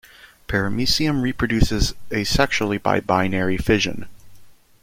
"Paramecium" reproduces asexually, by binary fission.